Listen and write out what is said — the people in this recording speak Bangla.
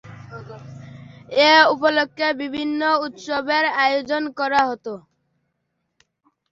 এ উপলক্ষে বিভিন্ন উৎসবের আয়োজন করা হত।